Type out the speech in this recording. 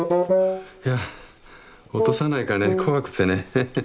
いや落とさないかね怖くてね。